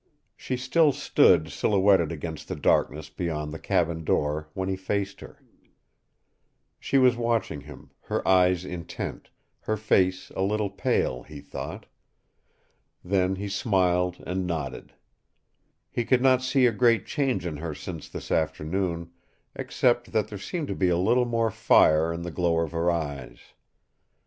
She still stood silhouetted against the darkness beyond the cabin door when he faced her. She was watching him, her eyes intent, her face a little pale, he thought. Then he smiled and nodded. He could not see a great change in her since this afternoon, except that there seemed to be a little more fire in the glow of her eyes.